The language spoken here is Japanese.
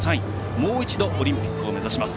もう一度オリンピックを目指します。